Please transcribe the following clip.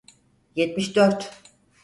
Yetmiş dört.